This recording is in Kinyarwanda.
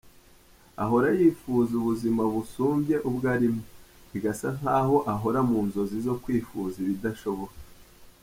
Ahoro yifuza ubuzima busumbye ubwo arimo, bigasa nkaho ahora mu nzozi zo kwifuza ibidashoboka.